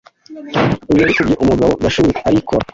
Ijoro rikubye, umugabo Gashubi arikora,